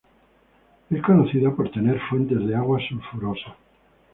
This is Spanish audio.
Es conocida por tener fuentes de aguas sulfurosas.